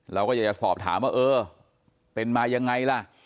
เราก็อยากจะสอบถามว่าเออเป็นมายังไงล่ะ